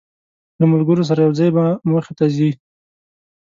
له ملګرو سره یو ځای به موخې ته ځی.